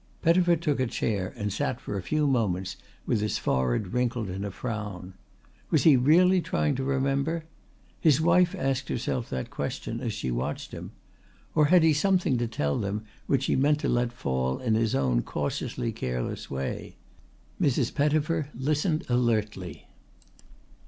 Pettifer took a chair and sat for a few moments with his forehead wrinkled in a frown. Was he really trying to remember? His wife asked herself that question as she watched him. Or had he something to tell them which he meant to let fall in his own cautiously careless way? Mrs. Pettifer listened alertly.